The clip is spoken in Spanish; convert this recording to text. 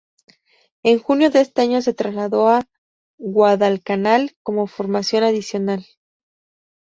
En junio de ese año se trasladó a Guadalcanal, como formación adicional.